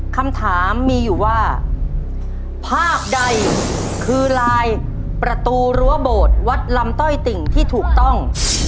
คำถามมีอยู่ว่าภาพใดคือลายประตูรั้วโบสถ์วัดลำต้อยติ่งที่ถูกต้อง